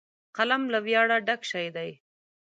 قلم له ویاړه ډک شی دی